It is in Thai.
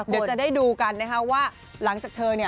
เดี๋ยวจะได้ดูกันว่าหลังจากเธอ